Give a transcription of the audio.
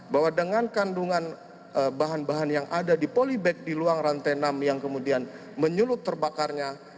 bahwa dengan kandungan bahan bahan yang ada di polybag di ruang rantai enam yang kemudian menyulut terbakarnya